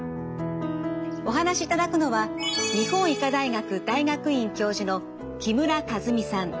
お話しいただくのは日本医科大学大学院教授の木村和美さん。